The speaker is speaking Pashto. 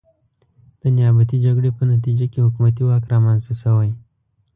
د نیابتي جګړې په نتیجه کې حکومتي واک رامنځته شوی.